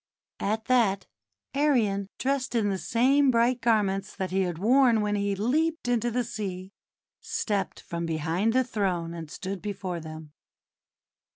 At that Arion, dressed in the same bright garments that he had worn when he leaped into the sea, stepped from behind the throne and stood before them.